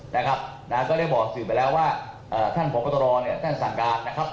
นะครับก็ได้บอกสื่อไปแล้วว่าท่านผู้การปฏิเสธท่านสั่งการนะครับ